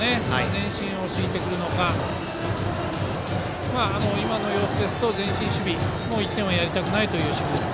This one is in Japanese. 前進を敷いてくるのか今の様子ですと前進守備１点やりたくないという守備です。